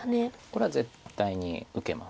これは絶対に受けます。